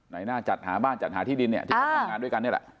ในหน้าจัดหาบ้านจัดหาที่ดินเนี่ยที่เขาทำงานด้วยกันนี่แหละ